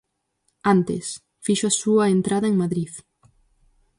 Antes, fixo a súa entrada en Madrid.